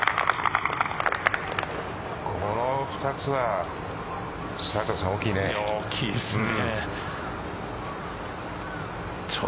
この２つは大きいですね。